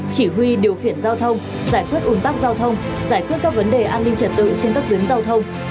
chỉ huy điều khiển giao thông giải quyết un tắc giao thông giải quyết các vấn đề an ninh trật tự trên các tuyến giao thông